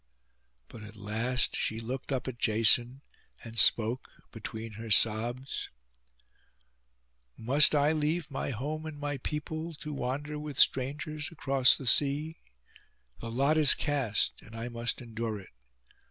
But at last she looked up at Jason, and spoke between her sobs— 'Must I leave my home and my people, to wander with strangers across the sea? The lot is cast, and I must endure it.